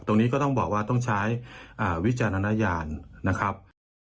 ตรงนี้ก็ต้องบอกว่าต้องใช้วิจารณญาณนะครับ